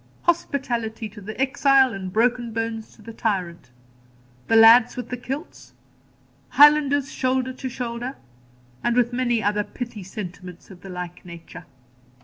'Hospitality to the exile, and broken bones to the tyrant.' 'The lads with the kilts.' 'Highlanders, shoulder to shoulder,' with many other pithy sentiments of the like nature.